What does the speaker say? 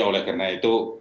oleh karena itu